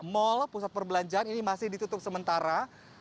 mal pusat perbelanjaan ini masih ditutup sementara